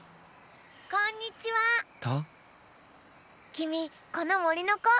きみこのもりのこ？